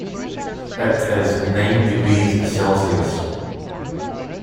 It is nine degrees Celsius.